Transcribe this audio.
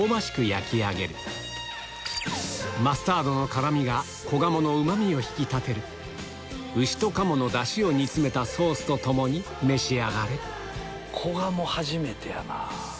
焼き上げるマスタードの辛みが小鴨のうま味を引き立てる牛と鴨のダシを煮つめたソースと共に召し上がれ小鴨初めてやな。